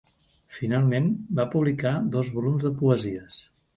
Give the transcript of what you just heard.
Finalment, va publicar dos volums de poesies.